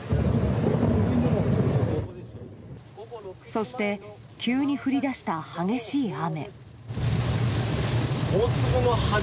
そして急に降り出した激しい雨。